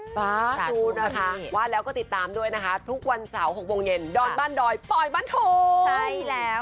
สวัสดี